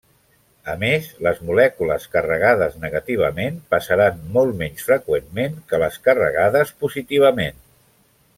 A més, les molècules carregades negativament passaran molt menys freqüentment que les carregades positivament.